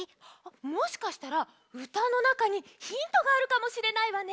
もしかしたらうたのなかにヒントがあるかもしれないわね。